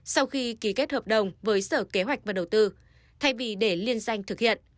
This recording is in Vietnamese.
sau khi ký kết hợp đồng với sở kế hoạch và đầu tư thay vì để liên danh thực hiện